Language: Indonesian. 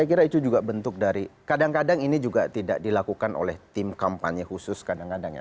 saya kira itu juga bentuk dari kadang kadang ini juga tidak dilakukan oleh tim kampanye khusus kadang kadang ya